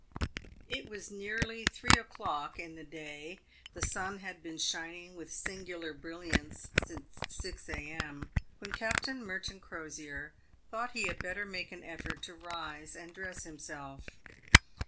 It was nearly three o'clock in the day — the sun had been shining with singular brilliance since six a.m. — when Captain Merton Crosier thought he had better make an effort to rise and dress himself.